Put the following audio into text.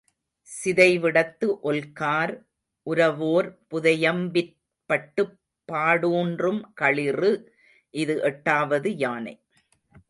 சிதைவிடத்து ஒல்கார் உரவோர் புதையம்பிற் பட்டுப் பாடூன்றும் களிறு இது எட்டாவது யானை.